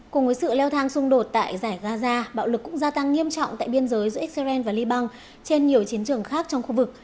cùng với sự leo thang xung đột tại giải gaza bạo lực cũng gia tăng nghiêm trọng tại biên giới giữa israel và liban trên nhiều chiến trường khác trong khu vực